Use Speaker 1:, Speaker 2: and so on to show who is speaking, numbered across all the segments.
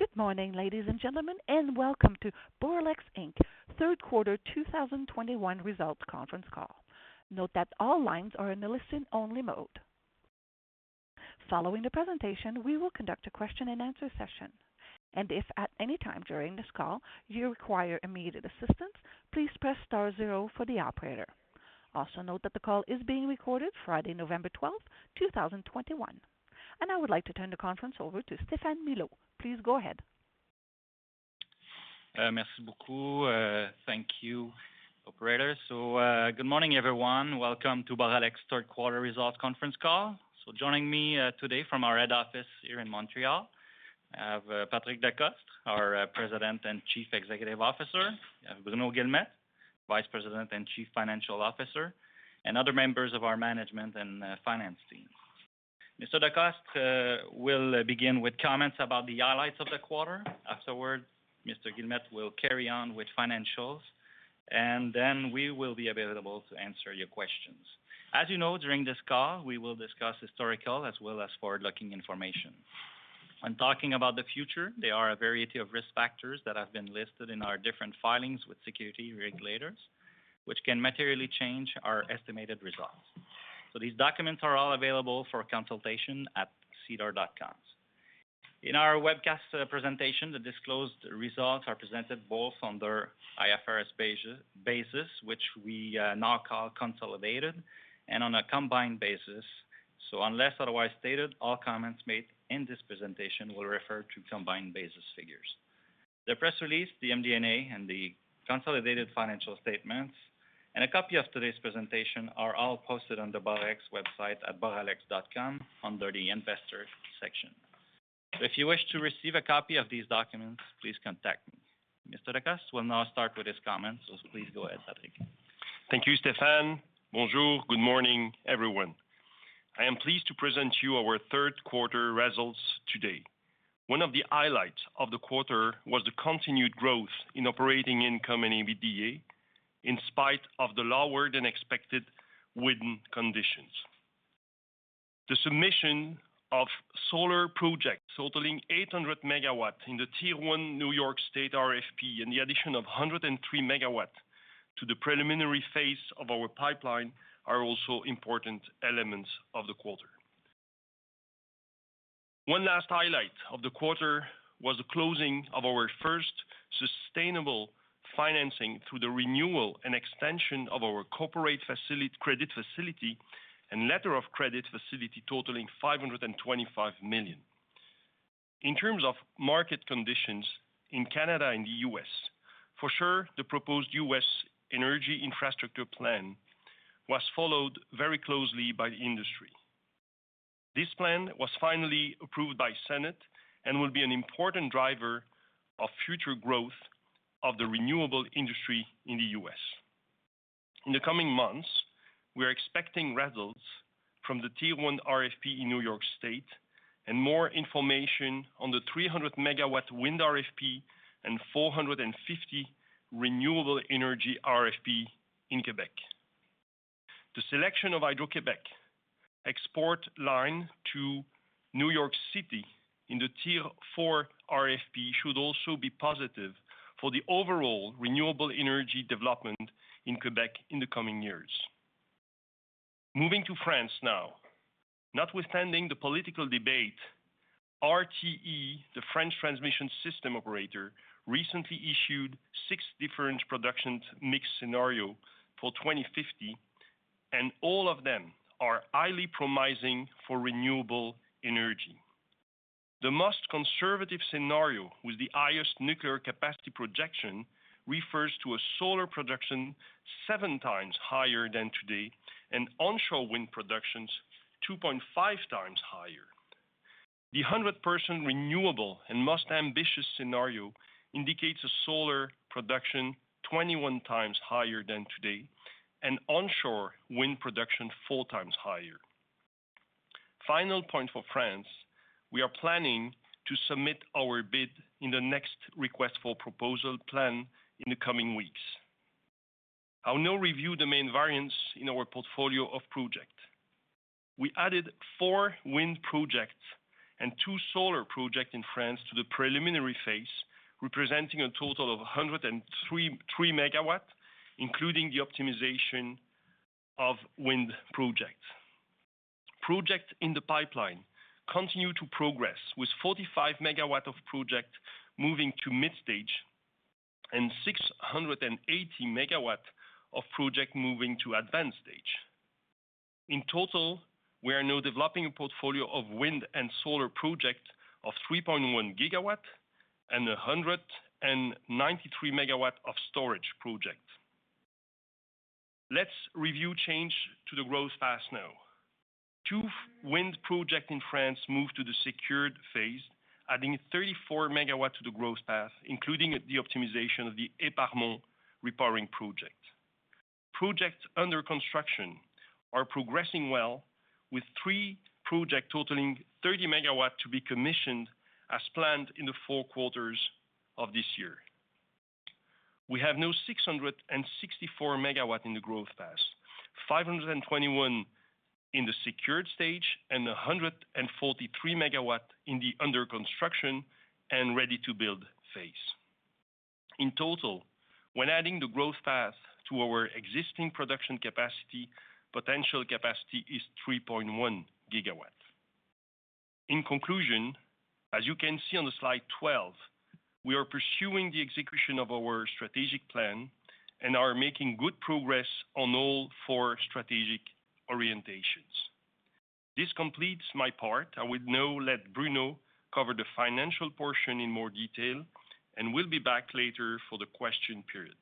Speaker 1: Good morning, ladies and gentlemen, and welcome to Boralex third quarter 2021 results conference call. Note that all lines are in a listen-only mode. Following the presentation, we will conduct a question-and-answer session. If at any time during this call you require immediate assistance, please press star zero for the operator. Also note that the call is being recorded Friday, November 12, 2021. I would like to turn the conference over to Stéphane Milot. Please go ahead.
Speaker 2: Thank you, operator. Good morning, everyone. Welcome to Boralex third quarter results conference call. Joining me today from our head office here in Montreal, I have Patrick Decostre, our President and Chief Executive Officer. I have Bruno Guilmette, Vice President and Chief Financial Officer, and other members of our management and finance team. Mr. Decostre will begin with comments about the highlights of the quarter. Afterwards, Mr. Guilmette will carry on with financials, and then we will be available to answer your questions. As you know, during this call, we will discuss historical as well as forward-looking information. When talking about the future, there are a variety of risk factors that have been listed in our different filings with securities regulators, which can materially change our estimated results. These documents are all available for consultation at sedar.com. In our webcast presentation, the disclosed results are presented both on their IFRS basis, which we now call consolidated, and on a combined basis. Unless otherwise stated, all comments made in this presentation will refer to combined basis figures. The press release, the MD&A, and the consolidated financial statements, and a copy of today's presentation are all posted on the Boralex website at boralex.com under the Investors section. If you wish to receive a copy of these documents, please contact me. Mr. Decostre will now start with his comments. Please go ahead, Patrick.
Speaker 3: Thank you, Stéphane. Good morning, everyone. I am pleased to present you our third quarter results today. One of the highlights of the quarter was the continued growth in operating income and EBITDA, in spite of the lower-than-expected wind conditions. The submission of solar projects totaling 800 MW in the Tier 1 New York State RFP and the addition of one hundred and three megawatts to the preliminary phase of our pipeline are also important elements of the quarter. One last highlight of the quarter was the closing of our first sustainable financing through the renewal and extension of our corporate credit facility and letter of credit facility totaling 525 million. In terms of market conditions in Canada and the U.S., for sure, the proposed U.S. energy infrastructure plan was followed very closely by the industry. This plan was finally approved by Senate and will be an important driver of future growth of the renewable industry in the U.S. In the coming months, we are expecting results from the Tier 1 RFP in New York State and more information on the 300-MW wind RFP and 450 renewable energy RFP in Québec. The selection of Hydro-Québec export line to New York City in the Tier 4 RFP should also be positive for the overall renewable energy development in Québec in the coming years. Moving to France now. Notwithstanding the political debate, RTE, the French transmission system operator, recently issued six different production mix scenario for 2050, and all of them are highly promising for renewable energy. The most conservative scenario with the highest nuclear capacity projection refers to a solar production 7x higher than today and onshore wind production 2.5x higher. The 100% renewable and most ambitious scenario indicates a solar production 21x higher than today and onshore wind production 4x higher. Final point for France, we are planning to submit our bid in the next request for proposal in the coming weeks. I'll now review the main variants in our portfolio of projects. We added four wind projects and two solar projects in France to the preliminary phase, representing a total of 103.3 MW, including the optimization of wind projects. Projects in the pipeline continue to progress with 45 MW of projects moving to mid-stage and 680 MW of projects moving to advanced stage. In total, we are now developing a portfolio of wind and solar projects of 3.1 GW and 193 MW of storage projects. Let's review changes to the growth path now. Two wind projects in France move to the secured phase, adding 34 MW to the growth path, including the optimization of the Éparmonts repowering project. Projects under construction are progressing well, with three projects totaling 30 MW to be commissioned as planned in the four quarters of this year. We have now 664 MW in the growth path, 521 MW in the secured stage, and 143 MW in the under construction and ready-to-build phase. In total, when adding the growth path to our existing production capacity, potential capacity is 3.1 GW. In conclusion, as you can see on the slide 12, we are pursuing the execution of our strategic plan and are making good progress on all four strategic orientations. This completes my part. I will now let Bruno cover the financial portion in more detail, and will be back later for the question period.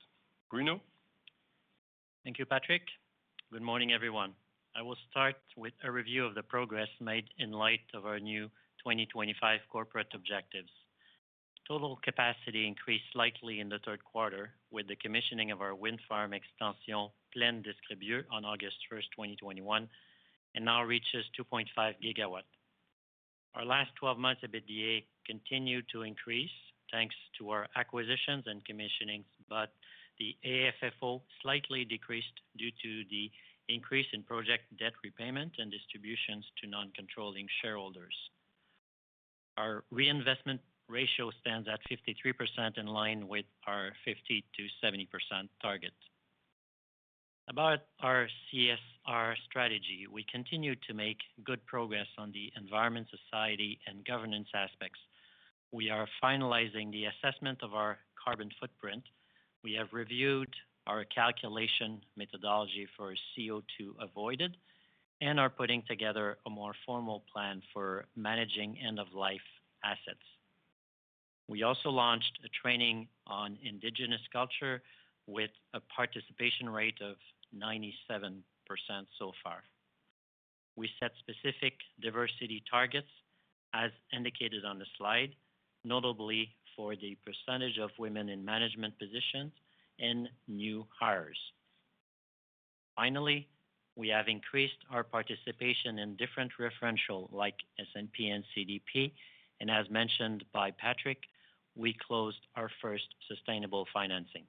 Speaker 3: Bruno.
Speaker 4: Thank you, Patrick. Good morning, everyone. I will start with a review of the progress made in light of our new 2025 corporate objectives. Total capacity increased slightly in the third quarter with the commissioning of our wind farm extension Plaine d'Escrebieux on August 1st, 2021, and now reaches 2.5 GW. Our last 12 months EBITDA continued to increase thanks to our acquisitions and commissionings, but the AFFO slightly decreased due to the increase in project debt repayment and distributions to non-controlling shareholders. Our reinvestment ratio stands at 53% in line with our 50%-70% target. About our CSR strategy, we continue to make good progress on the environment, society, and governance aspects. We are finalizing the assessment of our carbon footprint. We have reviewed our calculation methodology for CO2 avoided and are putting together a more formal plan for managing end-of-life assets. We also launched a training on indigenous culture with a participation rate of 97% so far. We set specific diversity targets as indicated on the slide, notably for the percentage of women in management positions and new hires. Finally, we have increased our participation in different referentials like S&P and CDP, and as mentioned by Patrick, we closed our first sustainable financing.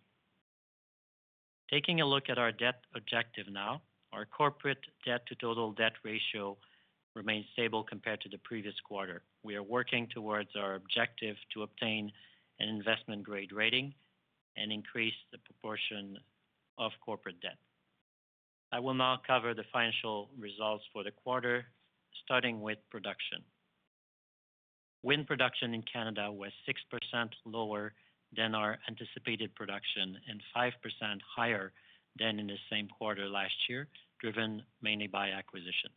Speaker 4: Taking a look at our debt objective now. Our corporate debt to total debt ratio remains stable compared to the previous quarter. We are working towards our objective to obtain an investment-grade rating and increase the proportion of corporate debt. I will now cover the financial results for the quarter, starting with production. Wind production in Canada was 6% lower than our anticipated production and 5% higher than in the same quarter last year, driven mainly by acquisition.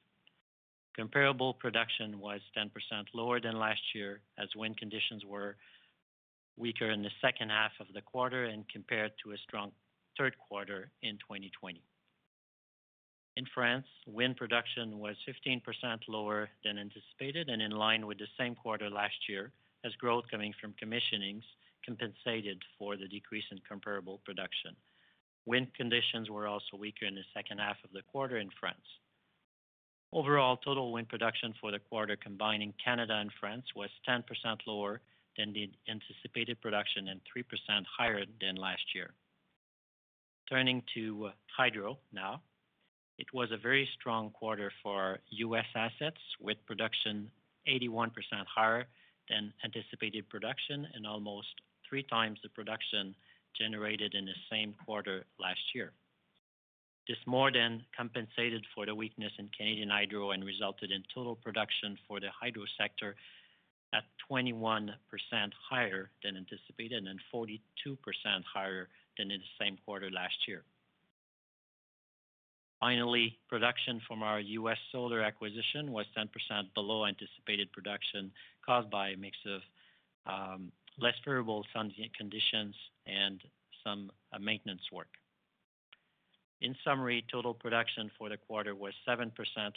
Speaker 4: Comparable production was 10% lower than last year as wind conditions were weaker in the second half of the quarter and compared to a strong third quarter in 2020. In France, wind production was 15% lower than anticipated and in line with the same quarter last year as growth coming from commissionings compensated for the decrease in comparable production. Wind conditions were also weaker in the second half of the quarter in France. Overall, total wind production for the quarter, combining Canada and France, was 10% lower than the anticipated production and 3% higher than last year. Turning to hydro now. It was a very strong quarter for U.S. assets, with production 81% higher than anticipated production and almost 3x the production generated in the same quarter last year. This more than compensated for the weakness in Canadian hydro and resulted in total production for the hydro sector at 21% higher than anticipated and 42% higher than in the same quarter last year. Finally, production from our U.S. solar acquisition was 10% below anticipated production, caused by a mix of less favorable sun conditions and some maintenance work. In summary, total production for the quarter was 7%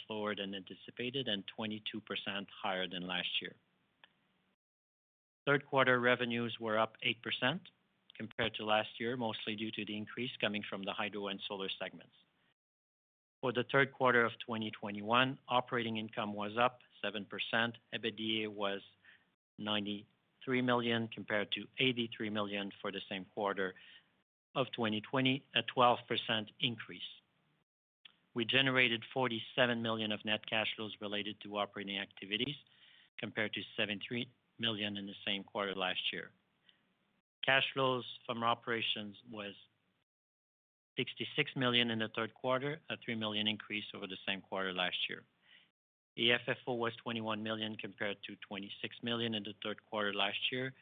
Speaker 4: lower than anticipated and 22% higher than last year. Third quarter revenues were up 8% compared to last year, mostly due to the increase coming from the hydro and solar segments. For the third quarter of 2021, operating income was up 7%. EBITDA was 93 million compared to 83 million for the same quarter of 2020, a 12% increase. We generated 47 million of net cash flows related to operating activities, compared to 73 million in the same quarter last year. Cash flows from our operations was 66 million in the third quarter, a 3 million increase over the same quarter last year. The AFFO was 21 million compared to 26 million in the third quarter last year,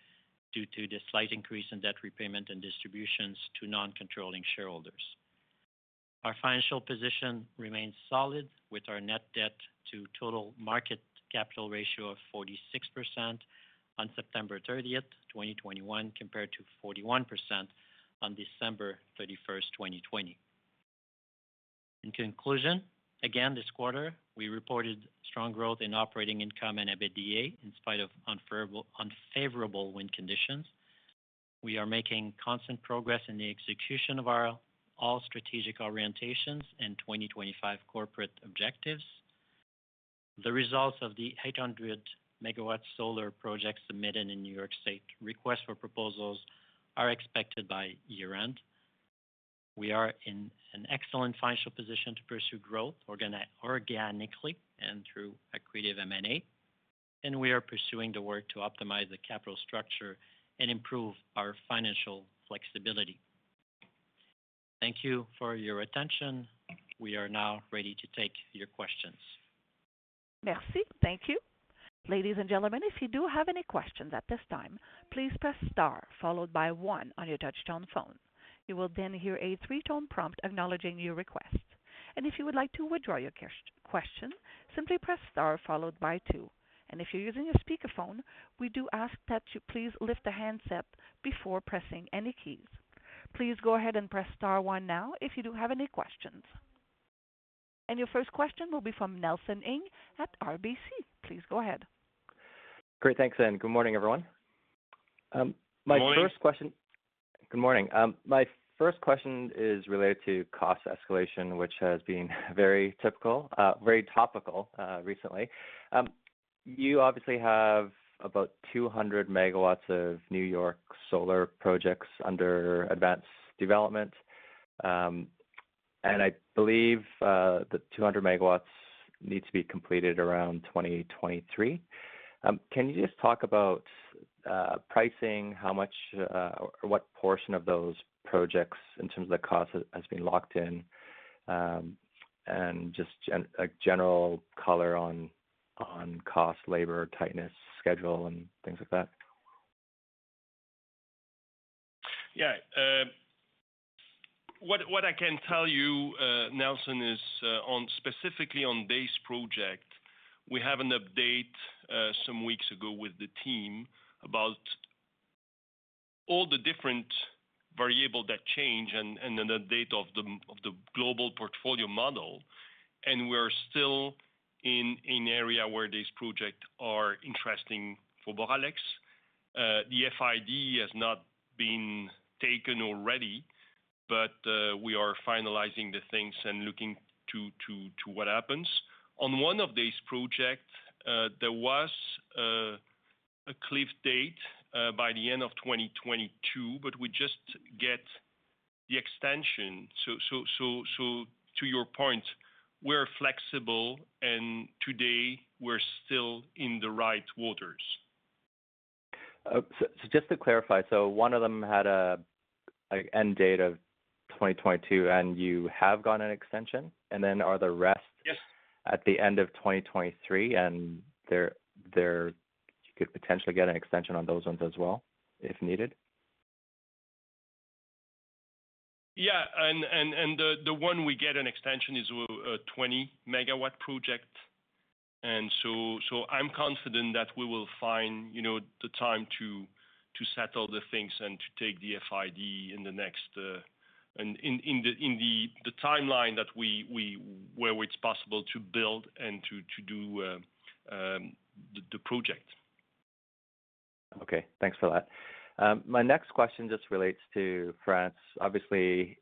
Speaker 4: due to the slight increase in debt repayment and distributions to non-controlling shareholders. Our financial position remains solid, with our net debt to total market capital ratio of 46% on September 30th, 2021, compared to 41% on December 31st, 2020. In conclusion, again, this quarter we reported strong growth in operating income and EBITDA in spite of unfavorable wind conditions. We are making constant progress in the execution of our overall strategic orientations and 2025 corporate objectives. The results of the 800 MW solar project submitted in New York State request for proposals are expected by year-end. We are in an excellent financial position to pursue organic growth organically and through accretive M&A, and we are pursuing the work to optimize the capital structure and improve our financial flexibility. Thank you for your attention. We are now ready to take your questions.
Speaker 1: Thank you. Ladies and gentlemen, if you do have any questions at this time, please press star followed by one on your touchtone phone. You will then hear a three-tone prompt acknowledging your request. If you would like to withdraw your question, simply press star followed by two. If you're using a speakerphone, we do ask that you please lift the handset before pressing any keys. Please go ahead and press star one now if you do have any questions. Your first question will be from Nelson Ng at RBC. Please go ahead.
Speaker 5: Great. Thanks, and good morning, everyone. My first question-
Speaker 3: Good morning.
Speaker 5: Good morning. My first question is related to cost escalation, which has been very typical, very topical recently. You obviously have about 200 MW of New York solar projects under advanced development. I believe the 200 MW needs to be completed around 2023. Can you just talk about pricing, how much or what portion of those projects in terms of the cost has been locked in, and just a general color on cost, labor, tightness, schedule and things like that?
Speaker 3: Yeah. What I can tell you, Nelson, is specifically on this project, we have an update some weeks ago with the team about all the different variables that change and then the date of the global portfolio model, and we're still in an area where these projects are interesting for Boralex. The FID has not been taken already, but we are finalizing the things and looking to what happens. On one of these projects, there was a cliff date by the end of 2022, but we just got the extension. To your point, we're flexible and today we're still in the right waters.
Speaker 5: Just to clarify, one of them had a end date of 2022, and you have gotten an extension, and then are the rest?
Speaker 3: Yes.
Speaker 5: At the end of 2023, and you could potentially get an extension on those ones as well if needed?
Speaker 3: Yeah. The one we get an extension is a 20-MW project. I'm confident that we will find, you know, the time to settle the things and to take the FID in the next and in the timeline where it's possible to build and to do the project.
Speaker 5: Okay, thanks for that. My next question just relates to France. Obviously,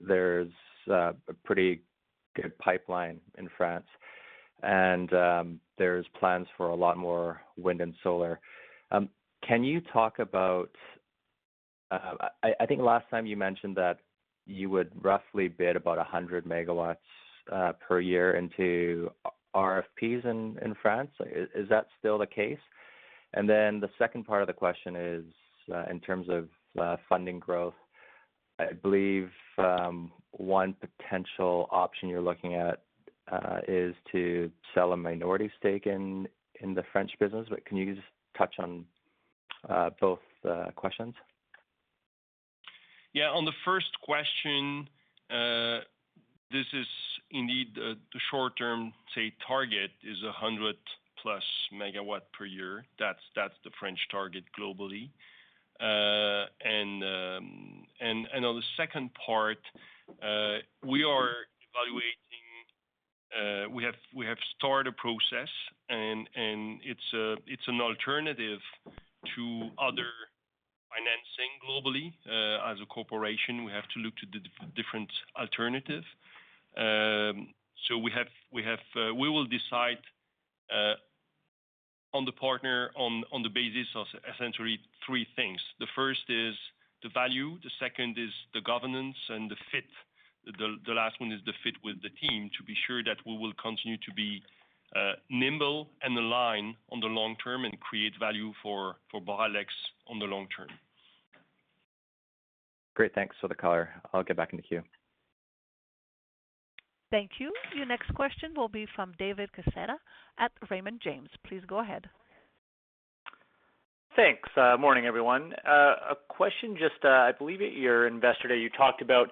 Speaker 5: there's a pretty good pipeline in France and there's plans for a lot more wind and solar. Can you talk about, I think, last time you mentioned that you would roughly bid about 100 MW per year into RFPs in France. Is that still the case? The second part of the question is in terms of funding growth, I believe one potential option you're looking at is to sell a minority stake in the French business. Can you just touch on both questions?
Speaker 3: Yeah. On the first question, this is indeed the short term, say, target is 100+ MW per year. That's the French target globally. On the second part, we are evaluating. We have started a process and it's an alternative to other financing globally. As a corporation, we have to look to the different alternative. We will decide on the partner on the basis of essentially three things. The first is the value, the second is the governance and the fit. The last one is the fit with the team to be sure that we will continue to be nimble and aligned on the long term and create value for Boralex on the long term.
Speaker 5: Great. Thanks for the color. I'll get back in the queue.
Speaker 1: Thank you. Your next question will be from David Quezada at Raymond James. Please go ahead.
Speaker 6: Thanks. Morning, everyone. A question just, I believe at your Investor Day, you talked about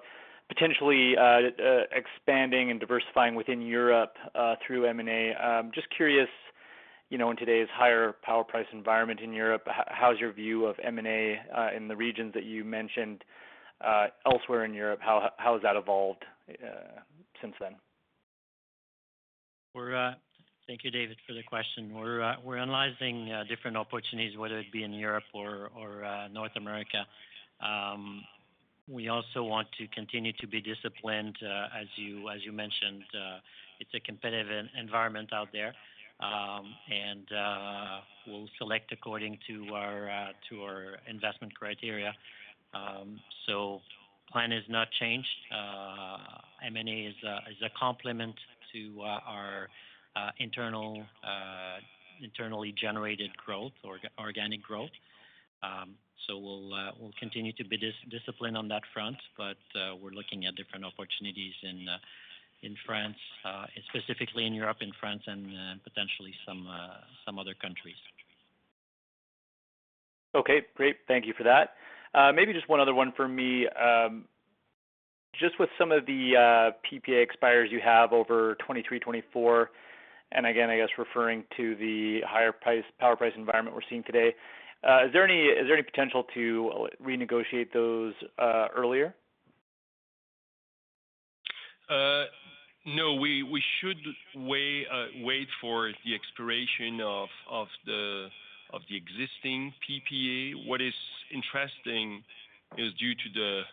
Speaker 6: potentially expanding and diversifying within Europe through M&A. Just curious, you know, in today's higher power price environment in Europe, how's your view of M&A in the regions that you mentioned elsewhere in Europe? How has that evolved since then?
Speaker 4: Thank you, David, for the question. We're analyzing different opportunities, whether it be in Europe or North America. We also want to continue to be disciplined, as you mentioned, it's a competitive environment out there. We'll select according to our investment criteria. Plan has not changed. M&A is a complement to our internally generated growth or organic growth. We'll continue to be disciplined on that front. We're looking at different opportunities in France, and specifically in Europe, in France, and potentially some other countries.
Speaker 6: Okay, great. Thank you for that. Maybe just one other one for me. Just with some of the PPA expires you have over 2023-2024, and again, I guess referring to the higher power price environment we're seeing today, is there any potential to renegotiate those earlier?
Speaker 3: No, we should wait for the expiration of the existing PPA. What is interesting is due to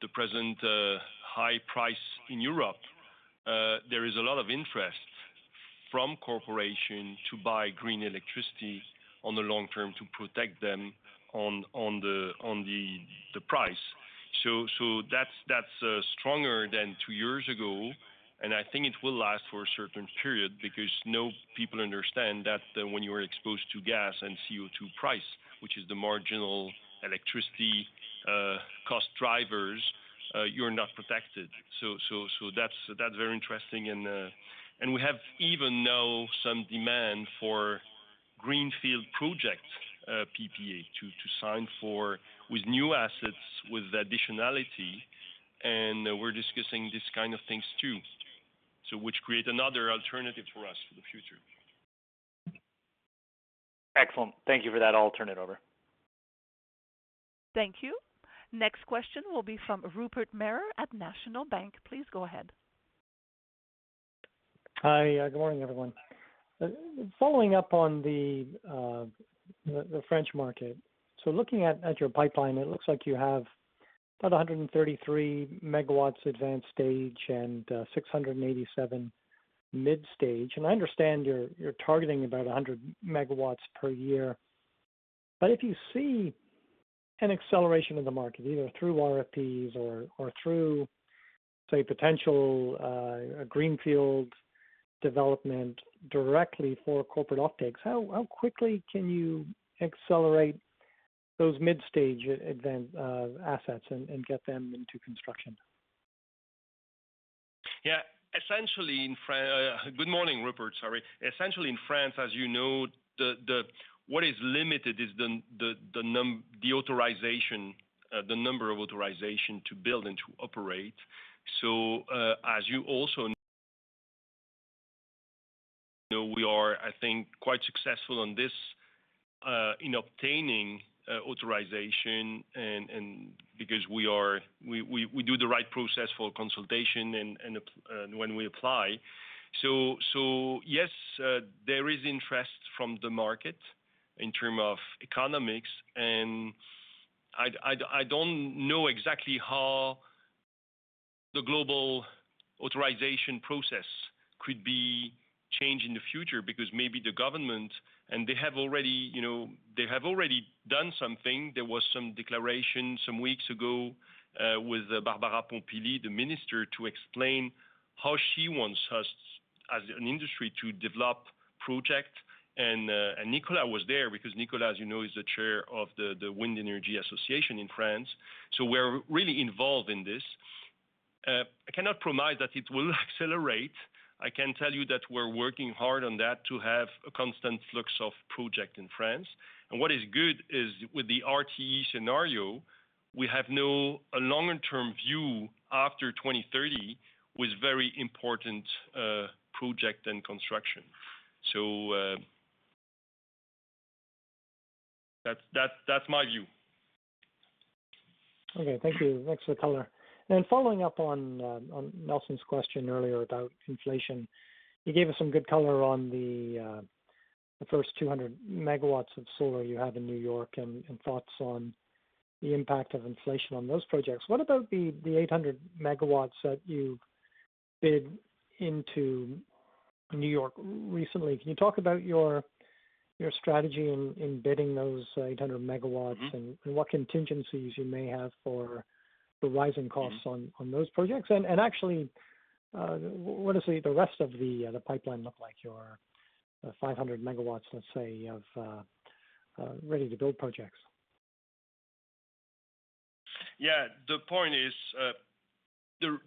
Speaker 3: the present high price in Europe, there is a lot of interest from corporations to buy green electricity in the long term to protect them against the price. That's stronger than two years ago, and I think it will last for a certain period because now people understand that when you are exposed to gas and CO2 price, which is the marginal electricity cost drivers, you're not protected. That's very interesting. We have even now some demand for greenfield projects, PPA to sign for with new assets, with additionality, and we're discussing these kind of things too. Which creates another alternative for us for the future.
Speaker 6: Excellent. Thank you for that. I'll turn it over.
Speaker 1: Thank you. Next question will be from Rupert Merer at National Bank. Please go ahead.
Speaker 7: Hi. Good morning, everyone. Following up on the French market. Looking at your pipeline, it looks like you have about 133 MW advanced stage and 687 MW mid stage. I understand you're targeting about 100 MW per year. If you see an acceleration in the market, either through RFPs or through, say, potential greenfield development directly for corporate offtakes, how quickly can you accelerate those mid-stage assets and get them into construction?
Speaker 3: Good morning, Rupert. Sorry. Essentially in France, as you know, what is limited is the number of authorizations to build and to operate. As you also know, we are, I think, quite successful on this in obtaining authorizations because we do the right process for consultation and when we apply. Yes, there is interest from the market in terms of economics. I don't know exactly how the global authorization process could be changed in the future because maybe the government, and they have already, you know, they have already done something. There was some declaration some weeks ago with Barbara Pompili, the Minister, to explain how she wants us as an industry to develop projects. Nicolas was there because Nicolas, as you know, is the chair of the Wind Energy Association in France. We're really involved in this. I cannot promise that it will accelerate. I can tell you that we're working hard on that to have a constant flux of projects in France. What is good is with the RTE scenario, we have no long-term view after 2030 with very important projects and construction. That's my view.
Speaker 7: Okay. Thank you. Thanks for the color. Following up on Nelson's question earlier about inflation, you gave us some good color on the first 200 MW of solar you have in New York and thoughts on the impact of inflation on those projects. What about the 800 MW that you bid into New York recently? Can you talk about your strategy in bidding those 800 MW and what contingencies you may have for the rising costs on those projects? Actually, what does the rest of the pipeline look like, your 500 MW, let's say, of ready-to-build projects?
Speaker 3: Yeah. The point is,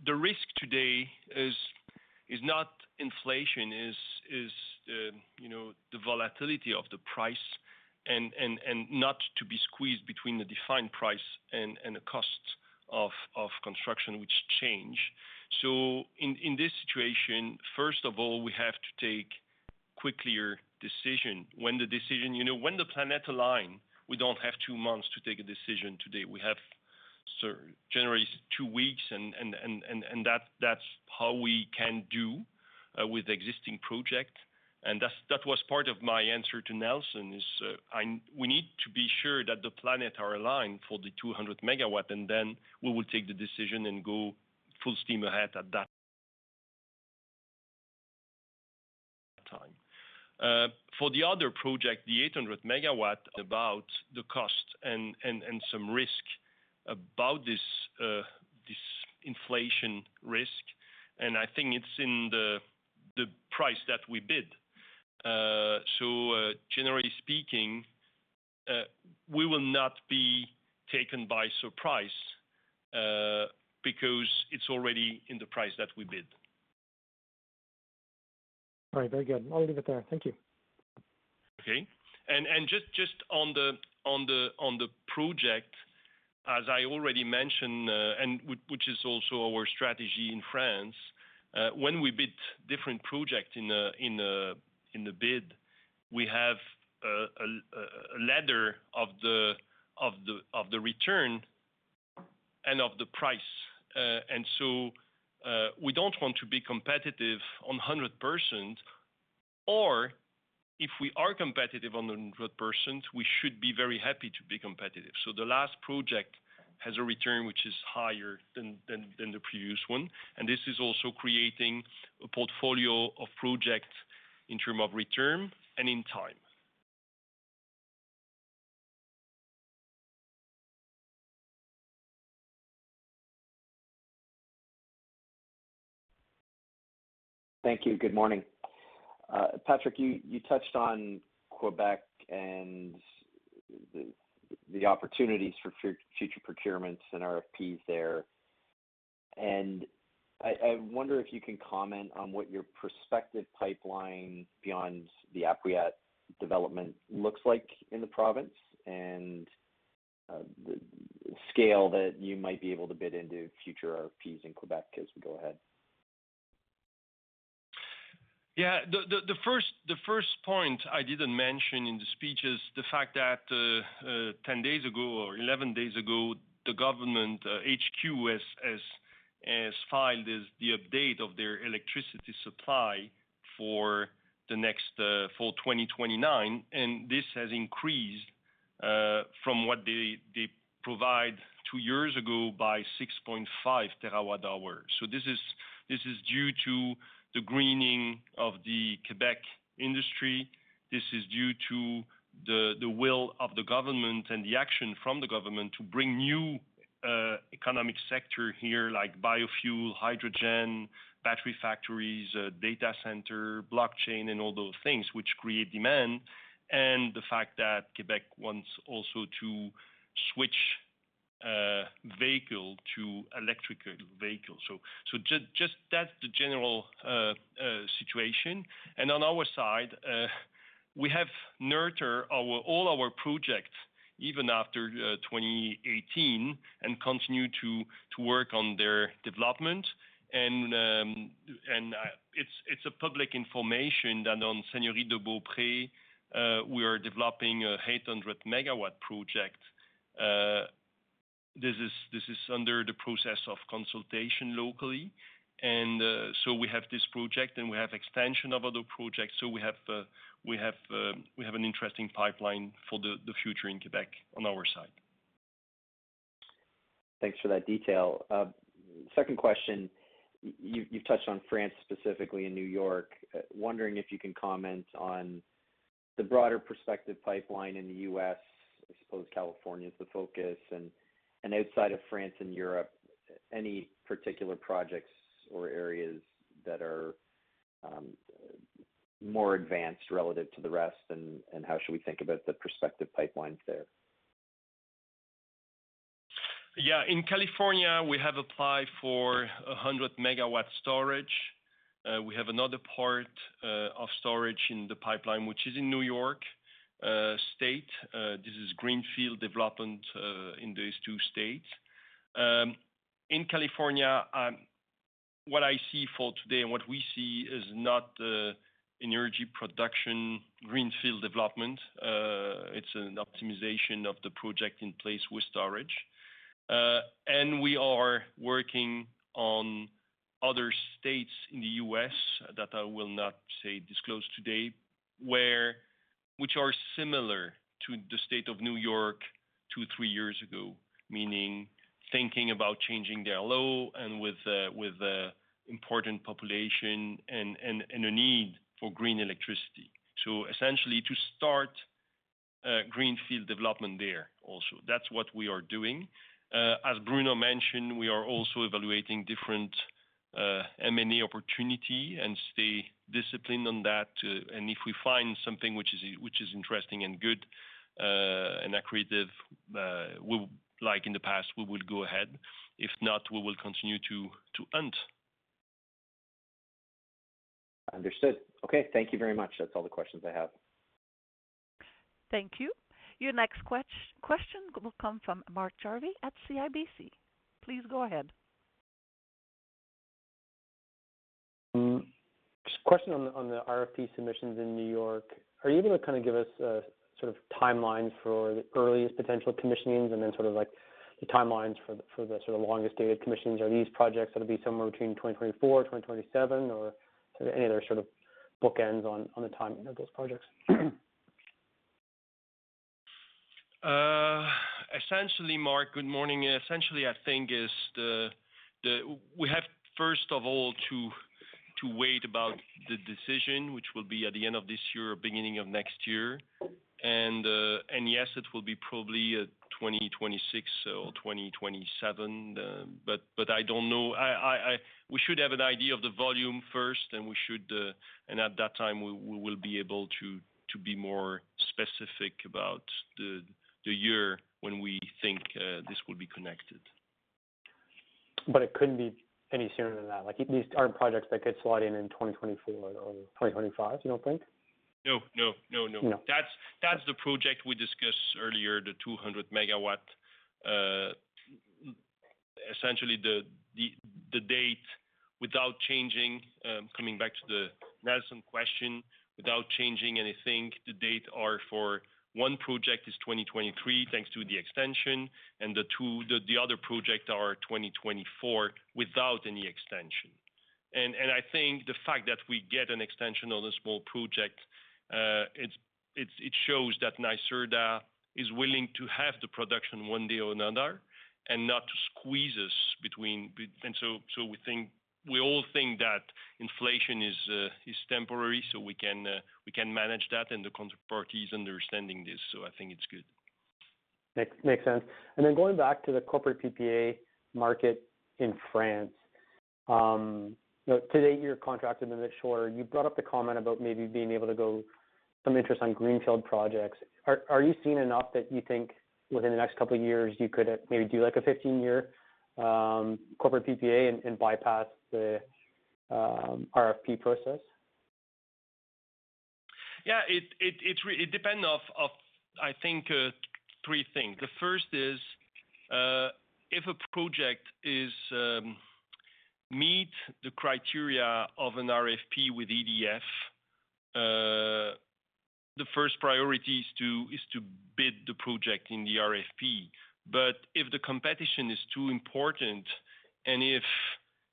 Speaker 3: the risk today is not inflation, you know, the volatility of the price and not to be squeezed between the defined price and the costs of construction which change. In this situation, first of all, we have to take a quick, clear decision. When the planets align, you know, we don't have two months to take a decision today. We have. Generally two weeks and that's how we can do with existing projects. That's what was part of my answer to Nelson. We need to be sure that the planets are aligned for the 200 MW, and then we will take the decision and go full steam ahead at that time. For the other project, the 800 MW, about the cost and some risk about this inflation risk. I think it's in the price that we bid. Generally speaking, we will not be taken by surprise, because it's already in the price that we bid.
Speaker 7: All right. Very good. I'll leave it there. Thank you.
Speaker 3: Just on the project, as I already mentioned, which is also our strategy in France, when we bid different projects in the bid, we have a ladder of the return and of the price. We don't want to be competitive on 100% or if we are competitive on the 100%, we should be very happy to be competitive. The last project has a return which is higher than the previous one. This is also creating a portfolio of projects in terms of return and in time.
Speaker 8: Thank you. Good morning. Patrick, you touched on Quebec and the opportunities for future procurements and RFPs there. I wonder if you can comment on what your prospective pipeline beyond the Apuiat development looks like in the province and the scale that you might be able to bid into future RFPs in Quebec as we go ahead.
Speaker 3: Yeah. The first point I didn't mention in the speech is the fact that 10 days ago or 11 days ago, the government HQ has filed the update of their electricity supply for the next for 2029. This has increased from what they provide two years ago by 6.5 TWh. This is due to the greening of the Québec industry. This is due to the will of the government and the action from the government to bring new economic sector here, like biofuel, hydrogen, battery factories, data center, blockchain and all those things which create demand. The fact that Québec wants also to switch vehicle to electric vehicles. Just that's the general situation. On our side, we have all our projects even after 2018 and continue to work on their development. It's public information that on Seigneurie de Beaupré we are developing an 800-MW project. This is under the process of consultation locally. We have this project, and we have extensions of other projects. We have an interesting pipeline for the future in Quebec on our side.
Speaker 8: Thanks for that detail. Second question. You've touched on France specifically and New York. Wondering if you can comment on the broader prospective pipeline in the U.S. I suppose California is the focus, and outside of France and Europe, any particular projects or areas that are more advanced relative to the rest, and how should we think about the prospective pipelines there?
Speaker 3: Yeah. In California, we have applied for 100 MW storage. We have another part of storage in the pipeline, which is in New York State. This is greenfield development in these two states. In California, what I see for today and what we see is not an energy production greenfield development. It's an optimization of the project in place with storage. We are working on other states in the U.S. that I will not disclose today, which are similar to the state of New York two to three years ago, meaning thinking about changing their law and with important population and a need for green electricity. Essentially, to start greenfield development there also. That's what we are doing. As Bruno mentioned, we are also evaluating different M&A opportunity and stay disciplined on that. If we find something which is interesting and good and accretive, we'll, like in the past, go ahead. If not, we will continue to hunt.
Speaker 8: Understood. Okay. Thank you very much. That's all the questions I have.
Speaker 1: Thank you. Your next question will come from Mark Jarvi at CIBC. Please go ahead.
Speaker 9: Just a question on the RFP submissions in New York. Are you gonna kind of give us a sort of timeline for the earliest potential commissionings and then sort of like the timelines for the sort of longest dated commissions? Are these projects gonna be somewhere between 2024 and 2027, or sort of any other sort of bookends on the timing of those projects?
Speaker 3: Essentially, Mark, good morning. Essentially, I think we have first of all to wait about the decision, which will be at the end of this year or beginning of next year. Yes, it will be probably 2026 or 2027, but I don't know. We should have an idea of the volume first, then we should and at that time, we will be able to be more specific about the year when we think this will be connected.
Speaker 9: It couldn't be any sooner than that. Like, these aren't projects that could slide in in 2024 or 2025, you don't think?
Speaker 3: No. No. That's the project we discussed earlier, the 200 MW. Essentially the date without changing, coming back to the Nelson question, without changing anything, the date are for one project is 2023, thanks to the extension, and the other project are 2024 without any extension. I think the fact that we get an extension on a small project, it shows that NYSERDA is willing to have the production one day or another and not to squeeze us between. We think, we all think that inflation is temporary, so we can manage that, and the counterparty is understanding this, so I think it's good.
Speaker 9: Makes sense. Going back to the corporate PPA market in France, to date, you're contracted a bit shorter. You brought up the comment about maybe being able to go some interest on greenfield projects. Are you seeing enough that you think within the next couple of years, you could maybe do like a 15-year corporate PPA and bypass the RFP process?
Speaker 3: Yeah, it depends on, I think, three things. The first is if a project meets the criteria of an RFP with EDF, the first priority is to bid the project in the RFP. If the competition is too important and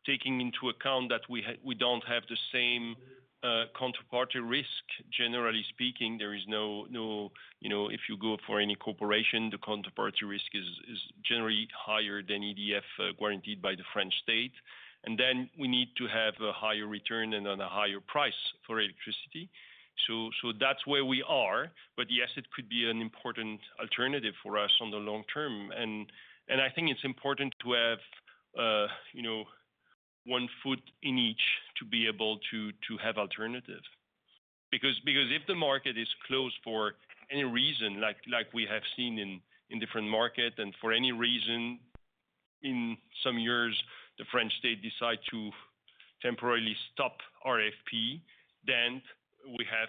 Speaker 3: taking into account that we don't have the same counterparty risk, generally speaking, you know, if you go for any corporation, the counterparty risk is generally higher than EDF, guaranteed by the French state. Then we need to have a higher return and a higher price for electricity. That's where we are. Yes, it could be an important alternative for us in the long term. I think it's important to have you know one foot in each to be able to have alternative. Because if the market is closed for any reason, like we have seen in different market and for any reason in some years, the French state decide to temporarily stop RFP, then we have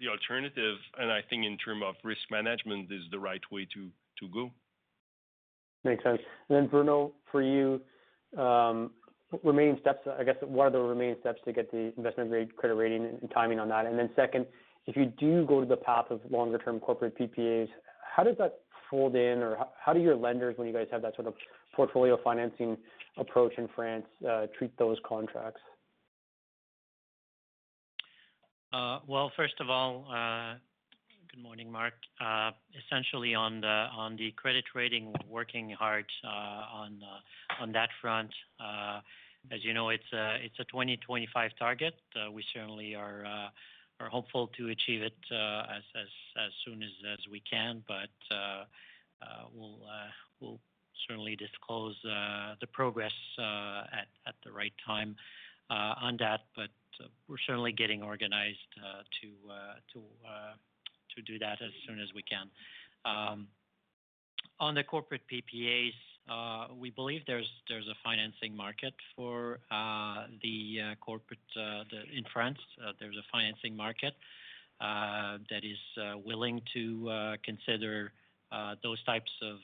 Speaker 3: the alternative, and I think in term of risk management is the right way to go.
Speaker 9: Makes sense. Bruno, for you, remaining steps, I guess, what are the remaining steps to get the investment-grade credit rating and timing on that? Second, if you do go to the path of longer term corporate PPAs, how does that fold in or how do your lenders, when you guys have that sort of portfolio financing approach in France, treat those contracts?
Speaker 4: Well, first of all, good morning, Mark. Essentially on the credit rating, we're working hard on that front. As you know, it's a 2025 target. We certainly are hopeful to achieve it as soon as we can. We'll certainly disclose the progress at the right time on that. We're certainly getting organized to do that as soon as we can. On the corporate PPAs, we believe there's a financing market for the corporate in France, there's a financing market that is willing to consider those types of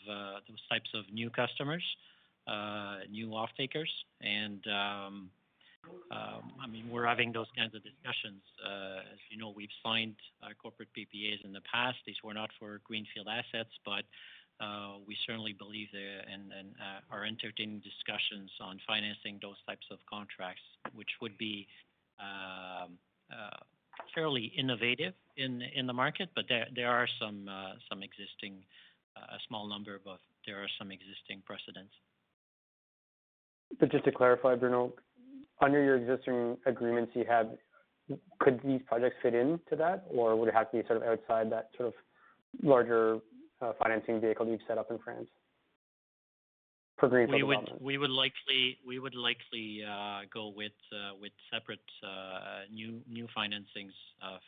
Speaker 4: new customers, new offtakers. I mean, we're having those kinds of discussions. As you know, we've signed corporate PPAs in the past. These were not for greenfield assets, but we certainly believe there and are entertaining discussions on financing those types of contracts, which would be fairly innovative in the market. But there are some existing, a small number, but there are some existing precedents.
Speaker 9: Just to clarify, Bruno, under your existing agreements you have, could these projects fit into that, or would it have to be sort of outside that sort of larger, financing vehicle you've set up in France for greenfield development?
Speaker 4: We would likely go with separate new financings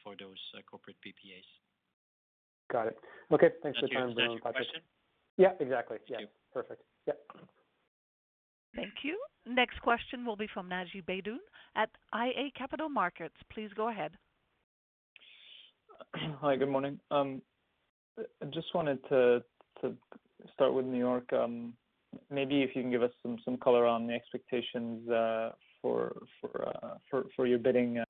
Speaker 4: for those corporate PPAs.
Speaker 9: Got it. Okay. Thanks for your time, Bruno.
Speaker 4: Does that answer your question?
Speaker 9: Yeah, exactly. Yeah.
Speaker 4: Thank you.
Speaker 9: Perfect. Yep.
Speaker 1: Thank you. Next question will be from Naji Baydoun at iA Capital Markets. Please go ahead.
Speaker 10: Hi, good morning. I just wanted to start with New York. Maybe if you can give us some color on the expectations for your bidding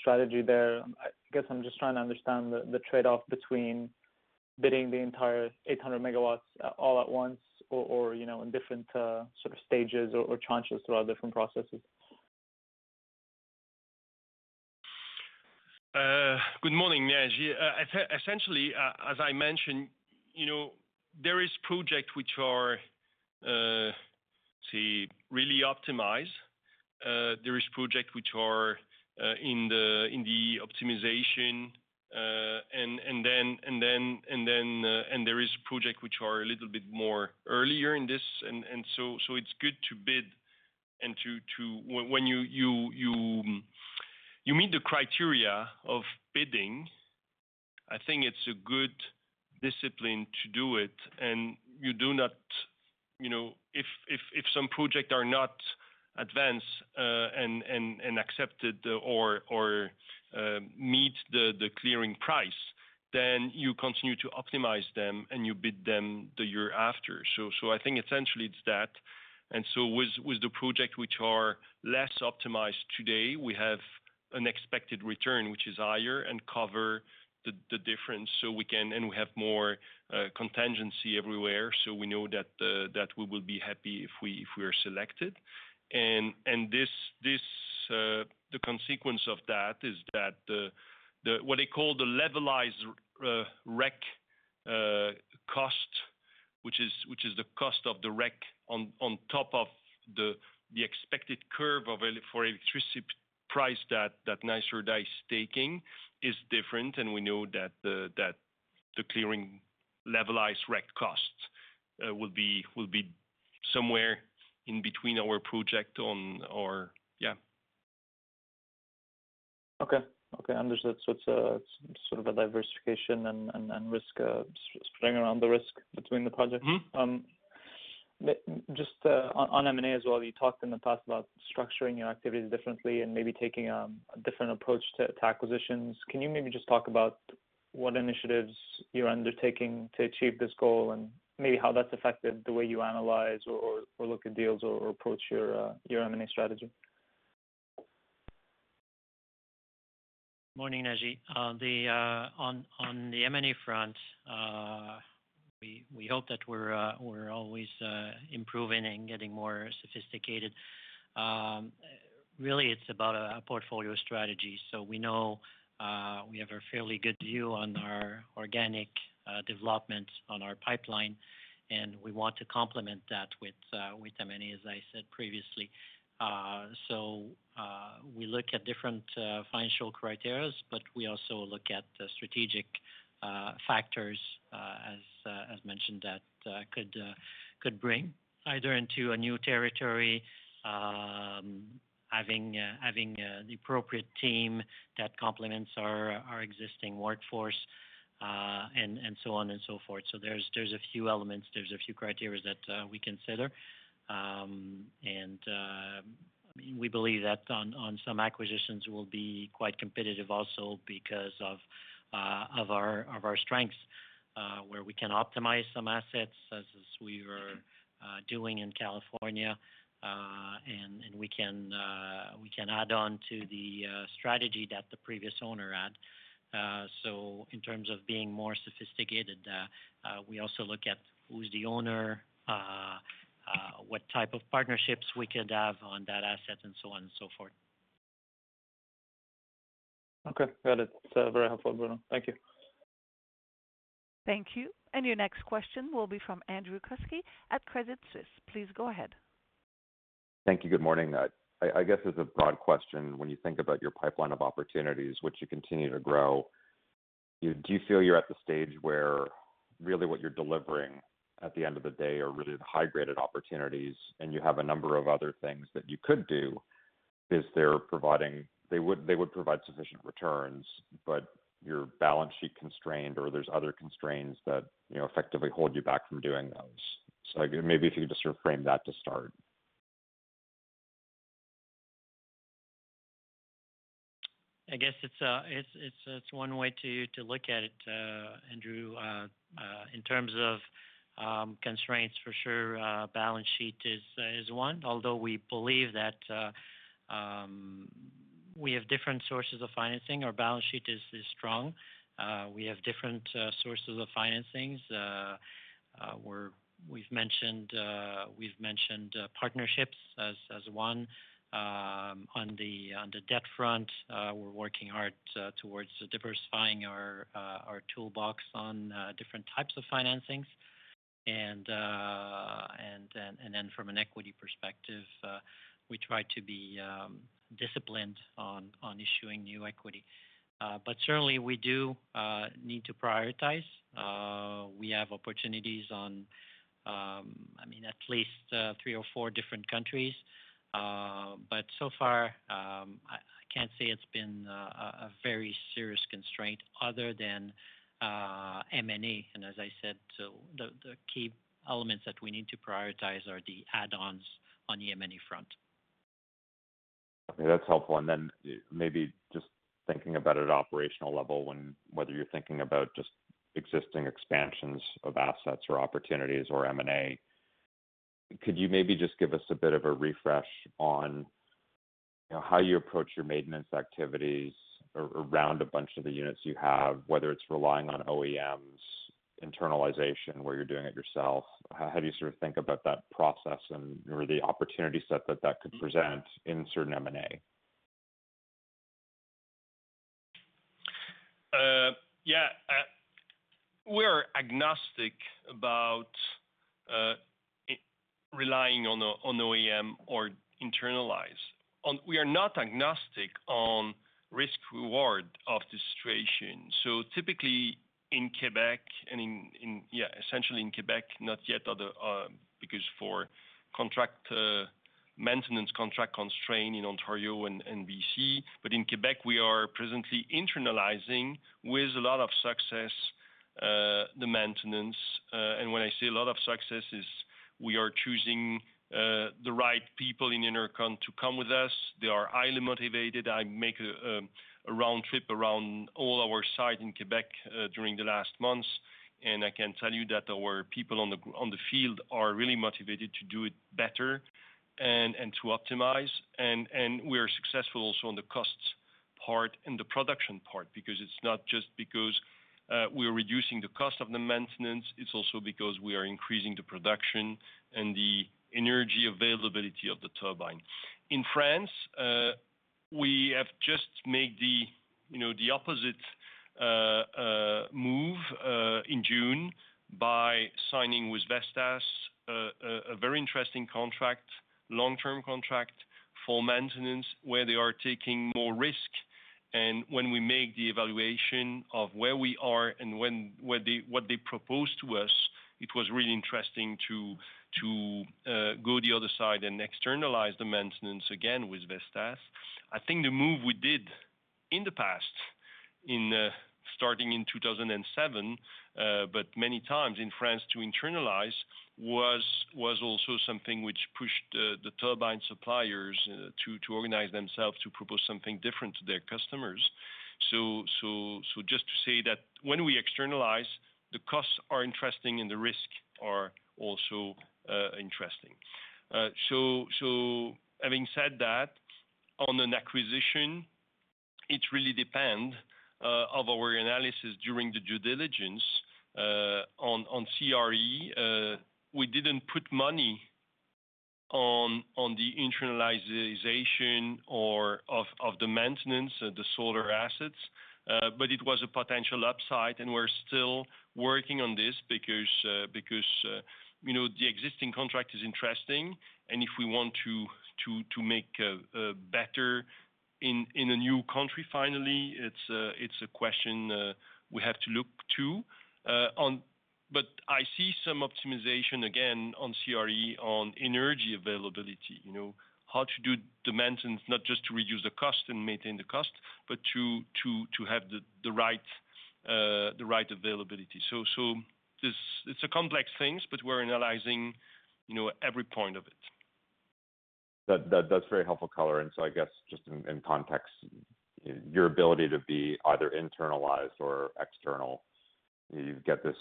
Speaker 10: strategy there. I guess I'm just trying to understand the trade-off between bidding the entire 800 MW all at once or you know, in different sort of stages or tranches throughout different processes.
Speaker 3: Good morning, Naji. Essentially, as I mentioned, you know, there is project which are, let's see, really optimized. There is project which are in the optimization. There is project which are a little bit more earlier in this. It's good to bid. When you meet the criteria of bidding, I think it's a good discipline to do it. You do not, you know, if some project are not advanced and accepted or meet the clearing price, then you continue to optimize them and you bid them the year after. I think essentially it's that. With the project which are less optimized today, we have an expected return, which is higher, and cover the difference. We can and we have more contingency everywhere, so we know that we will be happy if we are selected. This, the consequence of that is that what they call the levelized REC cost, which is the cost of the REC on top of the expected curve for electricity price that NYSERDA is taking is different. We know that the clearing levelized REC costs will be somewhere in between our project and our.
Speaker 10: Okay. Understood. It's a sort of a diversification and risk spreading around the risk between the projects.
Speaker 3: Mm-hmm.
Speaker 10: Just on M&A as well, you talked in the past about structuring your activities differently and maybe taking a different approach to acquisitions. Can you maybe just talk about what initiatives you're undertaking to achieve this goal and maybe how that's affected the way you analyze or look at deals or approach your M&A strategy?
Speaker 4: Morning, Naji. On the M&A front, we hope that we're always improving and getting more sophisticated. Really it's about a portfolio strategy. We know we have a fairly good view on our organic development on our pipeline, and we want to complement that with M&A, as I said previously. We look at different financial criteria, but we also look at the strategic factors, as mentioned, that could bring either into a new territory, having the appropriate team that complements our existing workforce, and so on and so forth. There's a few elements, a few criteria that we consider. We believe that on some acquisitions we will be quite competitive also because of our strengths, where we can optimize some assets as we were doing in California, and we can add on to the strategy that the previous owner had. In terms of being more sophisticated, we also look at who the owner is, what type of partnerships we could have on that asset and so on and so forth.
Speaker 10: Okay. Got it. Very helpful, Bruno. Thank you.
Speaker 1: Thank you. Your next question will be from Andrew Kuske at Credit Suisse. Please go ahead.
Speaker 11: Thank you. Good morning. I guess as a broad question, when you think about your pipeline of opportunities, which you continue to grow, do you feel you're at the stage where really what you're delivering at the end of the day are really high graded opportunities and you have a number of other things that you could do? They would provide sufficient returns, but you're balance sheet constrained or there's other constraints that, you know, effectively hold you back from doing those. So maybe if you could just sort of frame that to start.
Speaker 4: I guess it's one way to look at it, Andrew. In terms of constraints for sure, balance sheet is one. Although we believe that we have different sources of financing. Our balance sheet is strong. We have different sources of financings. We've mentioned partnerships as one. On the debt front, we're working hard towards diversifying our toolbox on different types of financings. From an equity perspective, we try to be disciplined on issuing new equity. Certainly we do need to prioritize. We have opportunities in, I mean, at least three or four different countries. So far, I can't say it's been a very serious constraint other than M&A. As I said, the key elements that we need to prioritize are the add-ons on the M&A front.
Speaker 11: Okay, that's helpful. Then maybe just thinking about it at operational level, when whether you're thinking about just existing expansions of assets or opportunities or M&A, could you maybe just give us a bit of a refresh on, you know, how you approach your maintenance activities around a bunch of the units you have, whether it's relying on OEMs, internalization, where you're doing it yourself. How do you sort of think about that process and/or the opportunity set that could present in certain M&A?
Speaker 3: We are agnostic about relying on OEM or internalizing. We are not agnostic on risk reward of the situation. Typically in Quebec, essentially in Quebec, not yet other because for contract maintenance contract constraint in Ontario and BC. In Quebec, we are presently internalizing with a lot of success the maintenance. When I say a lot of success is we are choosing the right people in Enercon to come with us. They are highly motivated. I make a round trip around all our site in Quebec during the last months, and I can tell you that our people on the field are really motivated to do it better and to optimize. We are successful also on the costs part and the production part because it's not just because we are reducing the cost of the maintenance, it's also because we are increasing the production and the energy availability of the turbine. In France, we have just made the you know the opposite move in June by signing with Vestas a very interesting contract, long-term contract for maintenance, where they are taking more risk. When we make the evaluation of where we are and what they propose to us, it was really interesting to go the other side and externalize the maintenance again with Vestas. I think the move we did in the past in starting in 2007, but many times in France to internalize was also something which pushed the turbine suppliers to organize themselves to propose something different to their customers. Just to say that when we externalize, the costs are interesting and the risk are also interesting. Having said that, on an acquisition, it really depend of our analysis during the due diligence on CRE. We didn't put money on the internalization or of the maintenance of the solar assets, but it was a potential upside, and we're still working on this because you know, the existing contract is interesting. If we want to make a better entry in a new country, finally, it's a question we have to look into. I see some optimization again on CRE on energy availability. You know, how to do the maintenance, not just to reduce the cost and maintain the cost, but to have the right availability. This is a complex things, but we're analyzing, you know, every point of it.
Speaker 11: That's very helpful color. I guess just in context, your ability to be either internalized or external, you've got this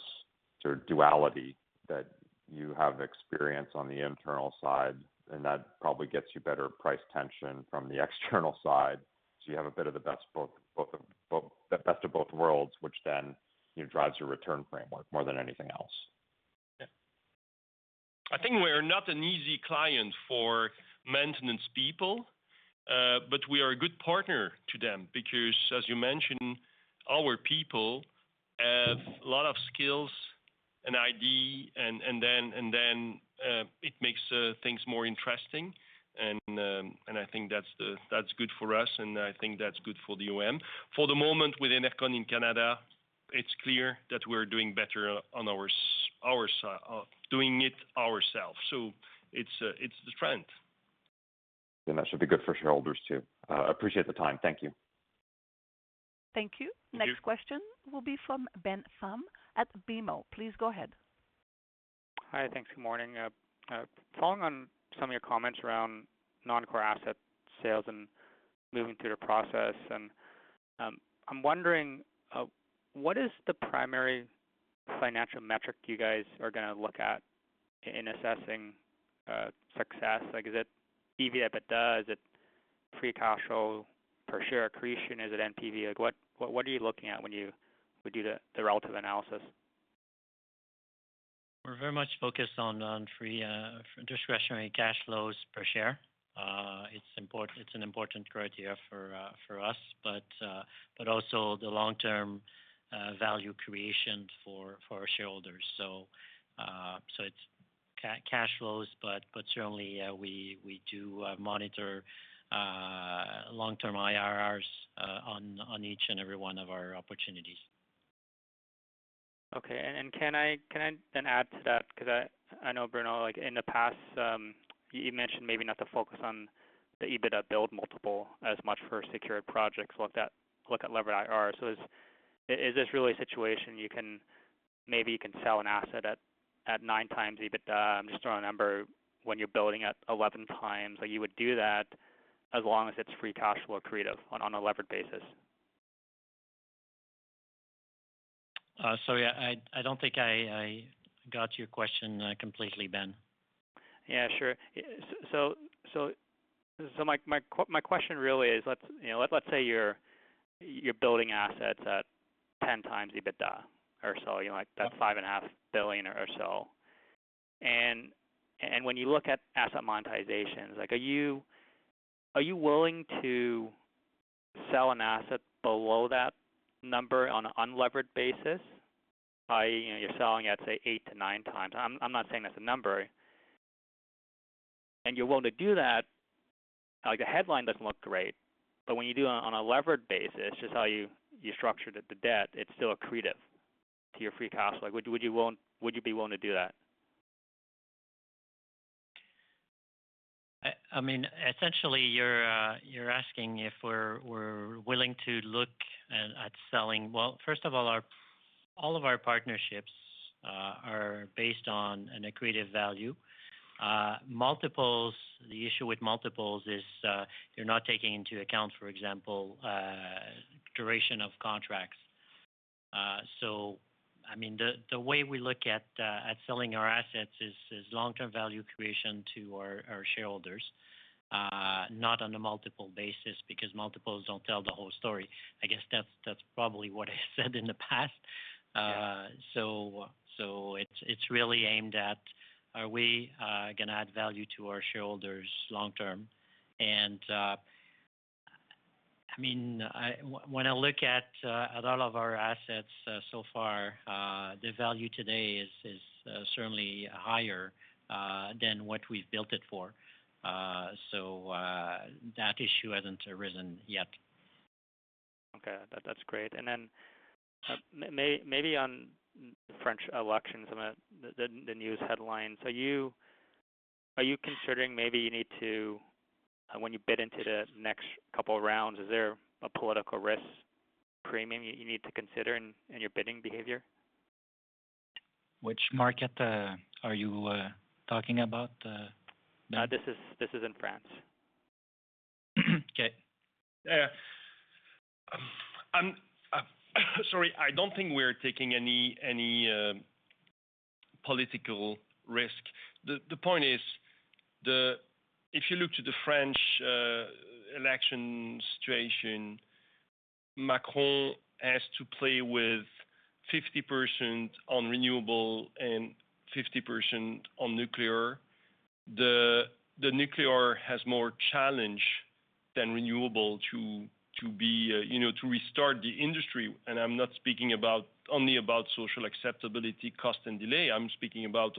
Speaker 11: sort of duality that you have experience on the internal side, and that probably gets you better price tension from the external side. You have a bit of the best of both worlds, which then, you know, drives your return framework more than anything else.
Speaker 3: Yeah. I think we're not an easy client for maintenance people, but we are a good partner to them because as you mentioned, our people have a lot of skills and IT, and then it makes things more interesting. I think that's good for us, and I think that's good for the OEM. For the moment with Enercon in Canada, it's clear that we're doing better on our side of doing it ourselves. It's the trend.
Speaker 11: That should be good for shareholders too. I appreciate the time. Thank you.
Speaker 1: Thank you.
Speaker 3: Thank you.
Speaker 1: Next question will be from Ben Pham at BMO. Please go ahead.
Speaker 12: Hi. Thanks. Good morning. Following on some of your comments around non-core asset sales and moving through the process, I'm wondering what is the primary financial metric you guys are gonna look at in assessing success? Like, is it EBITDA? Is it free cash flow per share accretion? Is it NPV? Like, what are you looking at when you would do the relative analysis?
Speaker 4: We're very much focused on free discretionary cash flows per share. It's an important criteria for us, but also the long-term value creation for our shareholders. It's cash flows, but certainly we do monitor long-term IRRs on each and every one of our opportunities.
Speaker 12: Okay. Can I then add to that? Because I know Bruno, like in the past, you mentioned maybe not to focus on the EBITDA bull multiple as much for secured projects. Look at levered IRR. Is this really a situation where maybe you can sell an asset at 9x EBITDA, just to remember when you're building at 11x, like you would do that as long as it's free cash flow accretive on a levered basis.
Speaker 4: Sorry, I don't think I got your question completely, Ben.
Speaker 12: Yeah, sure. My question really is, let's say you're building assets at 10x EBITDA or so, you know, like that 5.5 billion or so. When you look at asset monetizations, like, are you willing to sell an asset below that number on an unlevered basis? I.e., you're selling at, say, 8x-9x. I'm not saying that's a number. You're willing to do that. Like, the headline doesn't look great, but when you do it on a levered basis, just how you structured the debt, it's still accretive to your free cash. Like, would you be willing to do that?
Speaker 3: I mean, essentially you're asking if we're willing to look at selling. Well, first of all of our partnerships are based on an accretive value. The issue with multiples is they're not taking into account, for example, duration of contracts. I mean, the way we look at selling our assets is long-term value creation to our shareholders, not on a multiple basis, because multiples don't tell the whole story. I guess that's probably what I said in the past.
Speaker 12: Yeah.
Speaker 3: It's really aimed at: are we gonna add value to our shareholders long term? I mean, when I look at all of our assets so far, the value today is certainly higher than what we've built it for. That issue hasn't arisen yet.
Speaker 12: Okay. That's great. Maybe on French elections, the news headlines, are you considering maybe you need to, when you bid into the next couple of rounds, is there a political risk premium you need to consider in your bidding behavior?
Speaker 3: Which market are you talking about, Ben?
Speaker 12: This is in France.
Speaker 3: Okay. Yeah. Sorry. I don't think we're taking any political risk. The point is, if you look to the French election situation, Macron has to play with 50% on renewable and 50% on nuclear. The nuclear has more challenge than renewable to be, you know, to restart the industry. I'm not speaking only about social acceptability, cost and delay. I'm also speaking about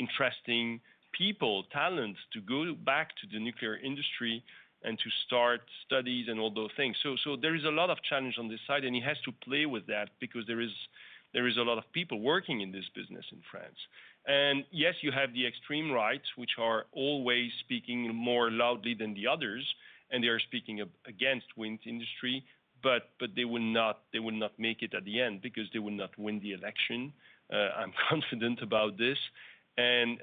Speaker 3: attracting people, talent to go back to the nuclear industry and to start studies and all those things. There is a lot of challenge on this side, and he has to play with that because there is a lot of people working in this business in France. Yes, you have the extreme rights, which are always speaking more loudly than the others, and they are speaking against wind industry, but they will not make it at the end because they will not win the election. I'm confident about this. You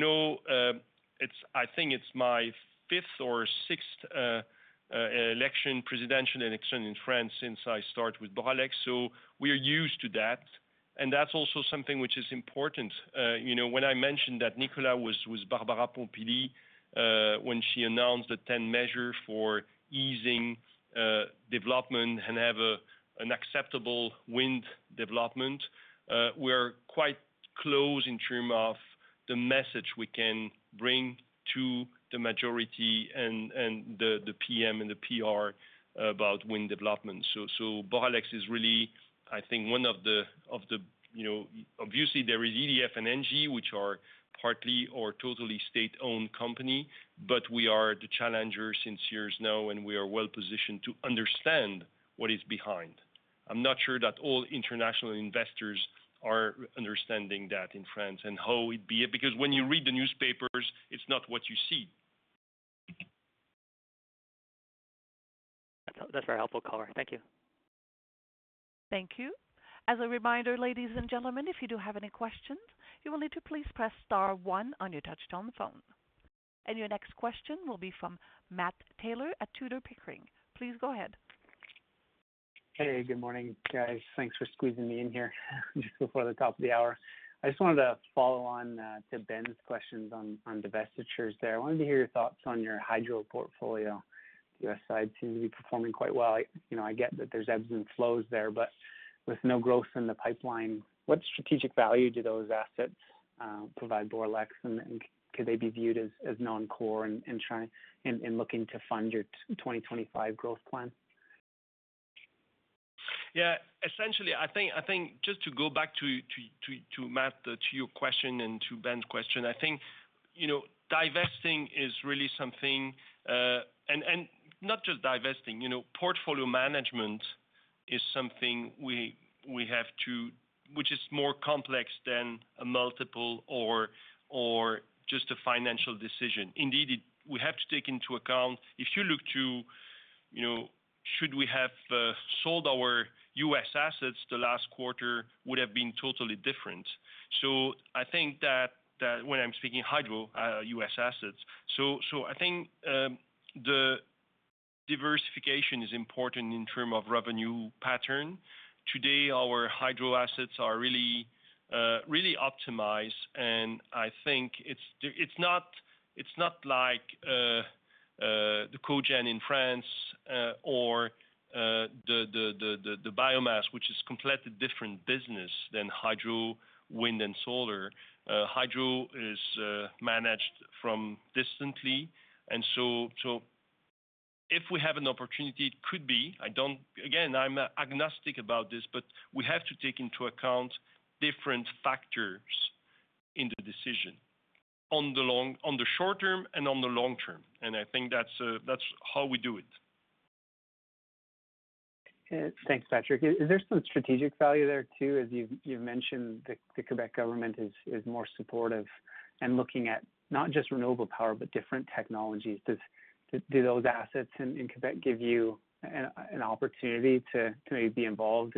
Speaker 3: know, it's, I think, my fifth or sixth presidential election in France since I start with Boralex. We are used to that, and that's also something which is important. You know, when I mentioned that Nicolas was Barbara Pompili, when she announced the ten measures for easing development and having an acceptable wind development, we are quite close in terms of the message we can bring to the majority and the PM and the PR about wind development. Boralex is really, I think one of the, you know. Obviously there is EDF and Engie, which are partly or totally state-owned company, but we are the challenger since years now, and we are well positioned to understand what is behind. I'm not sure that all international investors are understanding that in France and how it'd be, because when you read the newspapers, it's not what you see.
Speaker 12: That's very helpful, Color. Thank you.
Speaker 1: Thank you. As a reminder, ladies and gentlemen, if you do have any questions, you will need to please press star one on your touchtone phone. Your next question will be from Matt Taylor at Tudor, Pickering. Please go ahead.
Speaker 13: Hey, good morning, guys. Thanks for squeezing me in here just before the top of the hour. I just wanted to follow on to Ben's questions on divestitures there. I wanted to hear your thoughts on your hydro portfolio. US side seems to be performing quite well. You know, I get that there's ebbs and flows there, but with no growth in the pipeline, what strategic value do those assets provide Boralex? And could they be viewed as non-core in trying to fund your 2025 growth plan?
Speaker 3: Essentially, I think just to go back to Matt, to your question and to Ben's question, I think you know divesting is really something. Not just divesting, you know, portfolio management is something we have to which is more complex than a multiple or just a financial decision. Indeed, we have to take into account. If you look to, you know, should we have sold our U.S. assets the last quarter would have been totally different. So I think that when I'm speaking hydro U.S. assets. So I think the diversification is important in terms of revenue pattern. Today, our hydro assets are really optimized, and I think it's not like the cogen in France or the biomass, which is completely different business than hydro, wind and solar. Hydro is managed remotely. So if we have an opportunity, it could be. Again, I'm agnostic about this, but we have to take into account different factors in the decision on the short-term and on the long-term, and I think that's how we do it.
Speaker 13: Thanks, Patrick. Is there some strategic value there too? As you've mentioned, the Québec government is more supportive and looking at not just renewable power, but different technologies. Do those assets in Québec give you an opportunity to maybe be involved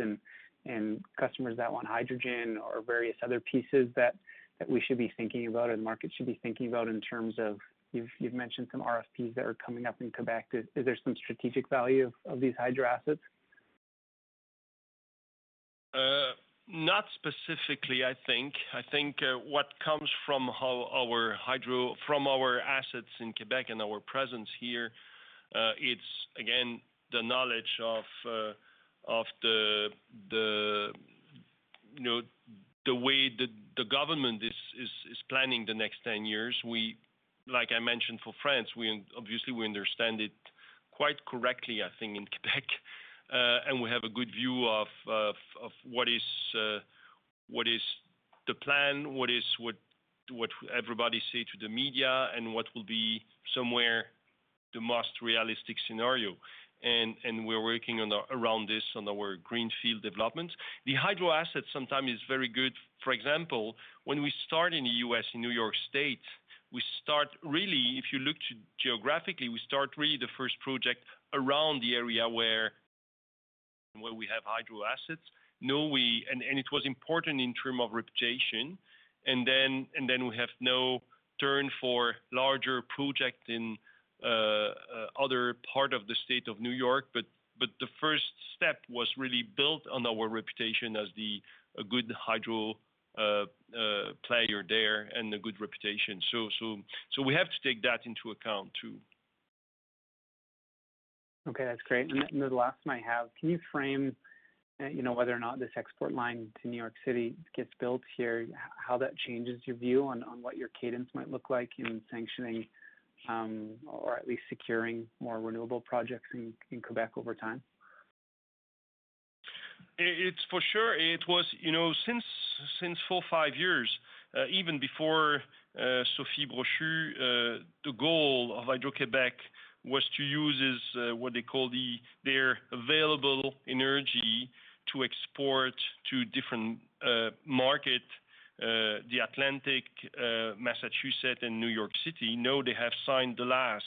Speaker 13: in customers that want hydrogen or various other pieces that we should be thinking about or the market should be thinking about in terms of you've mentioned some RFPs that are coming up in Québec. Is there some strategic value of these hydro assets?
Speaker 3: Not specifically, I think. I think what comes from our assets in Quebec and our presence here, it's again the knowledge of, you know, the way the government is planning the next 10 years. Like I mentioned for France, we obviously understand it quite correctly, I think, in Quebec. And we have a good view of what is the plan, what everybody say to the media, and what will be somewhere the most realistic scenario. We're working around this on our greenfield development. The hydro asset sometimes is very good. For example, when we start in the U.S. and New York State, we start really, if you look geographically, we start really the first project around the area where we have hydro assets. It was important in terms of reputation. We have now turned to larger projects in other parts of the state of New York. The first step was really built on our reputation as a good hydro player there and a good reputation. We have to take that into account too.
Speaker 13: Okay, that's great. The last one I have, can you frame, you know, whether or not this export line to New York City gets built here, how that changes your view on what your cadence might look like in sanctioning or at least securing more renewable projects in Québec over time?
Speaker 3: It's for sure. It was, you know, since four to five years, even before Sophie Brochu, the goal of Hydro-Québec was to use, it's what they call the, their available energy to export to different markets, the Atlantic, Massachusetts and New York City. Now they have signed the last,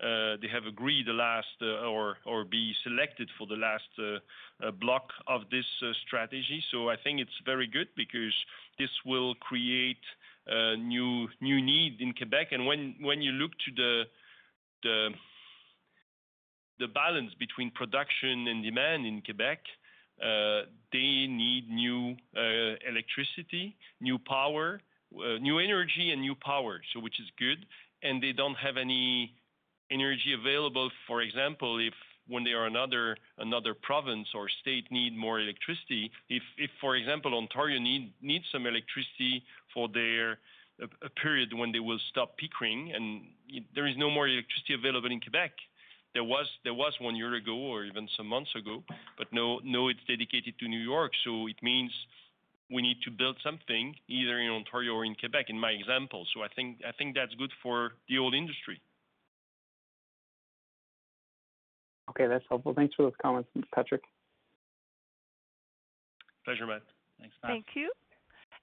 Speaker 3: they have agreed the last, or be selected for the last block of this strategy. I think it's very good because this will create new need in Quebec. When you look to the balance between production and demand in Quebec, they need new electricity, new power, new energy and new power, which is good. They don't have any energy available. For example, if when they are another province or state need more electricity. If, for example, Ontario needs some electricity for a period when they will stop Pickering and there is no more electricity available in Quebec. There was one year ago or even some months ago, but now it's dedicated to New York, so it means we need to build something either in Ontario or in Quebec, in my example. I think that's good for the whole industry.
Speaker 13: Okay, that's helpful. Thanks for those comments, Patrick.
Speaker 3: Pleasure, Matt.
Speaker 2: Thanks, Matt.
Speaker 1: Thank you.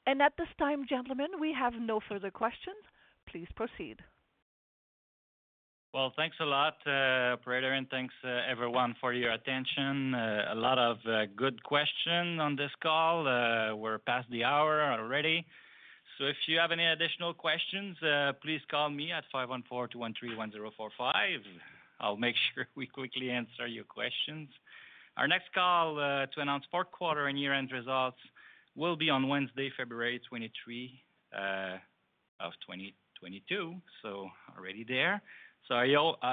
Speaker 1: At this time, gentlemen, we have no further questions. Please proceed.
Speaker 2: Well, thanks a lot, operator, and thanks, everyone for your attention. A lot of good questions on this call. We're past the hour already. If you have any additional questions, please call me at 514-213-1045. I'll make sure we quickly answer your questions. Our next call to announce fourth quarter and year-end results will be on Wednesday, February 23, 2022. Already there. I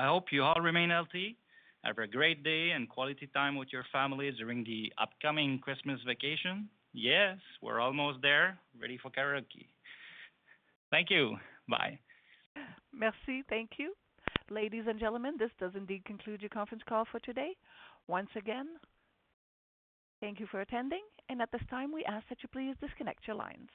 Speaker 2: hope you all remain healthy. Have a great day and quality time with your families during the upcoming Christmas vacation. Yes, we're almost there. Ready for karaoke. Thank you. Bye.
Speaker 1: Thank you. Ladies and gentlemen, this does indeed conclude your conference call for today. Once again, thank you for attending, and at this time, we ask that you please disconnect your lines.